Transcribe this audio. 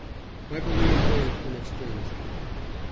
I believe they have been exchanged now.